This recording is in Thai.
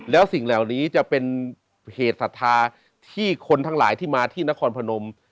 แล้วสิ่งเหล่านี้จะเป็นเหตุศรัทธาที่คนทั้งหลายที่มาที่นครพนม